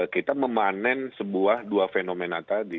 kita memanen sebuah dua fenomena tadi